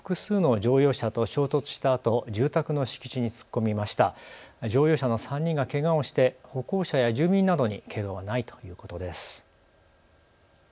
乗用車の３人がけがをして歩行者や住民などにけがはないということです。